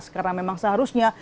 karena memang seharusnya